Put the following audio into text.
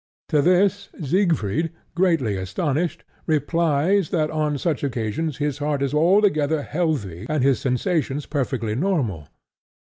To this, Siegfried, greatly astonished, replies that on such occasions his heart is altogether healthy and his sensations perfectly normal.